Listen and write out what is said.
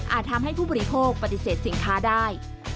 อาจทำให้ผู้ผลิตภพปฏิเสธสินค้าได้